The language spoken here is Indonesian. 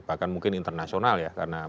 bahkan mungkin internasional ya karena